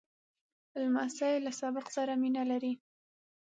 لمسی له سبق سره مینه لري.